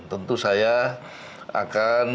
tentu saya akan